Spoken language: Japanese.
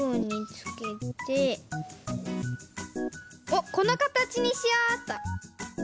おっこのかたちにしようっと。